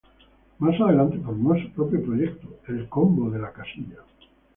Más adelante formó su propio proyecto, la James Cotton Band.